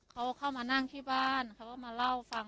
เขาเข้ามานั่งที่บ้านเขาก็มาเล่าฟัง